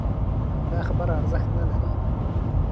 دا خبره ارزښت نه لري